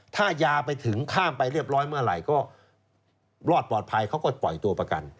ถ้ายาไปถึงข้ามไปเรียบร้อยเมื่อไหร่ก็รอดปลอดภัยเขาก็ปล่อยตัวประกัน